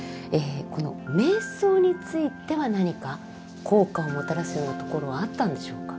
この瞑想については何か効果をもたらすようなところはあったんでしょうか？